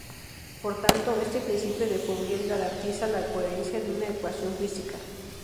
Por tanto, este principio de Fourier garantiza la coherencia de una ecuación física.